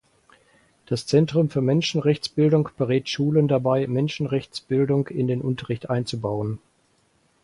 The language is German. Das Zentrum für Menschenrechtsbildung berät Schulen dabei, Menschenrechtsbildung in den Unterricht einzubauen.